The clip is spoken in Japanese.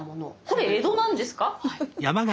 これ江戸なんですか？